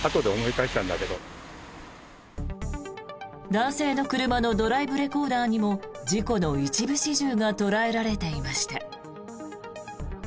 男性の車のドライブレコーダーにも事故の一部始終が捉えられていました。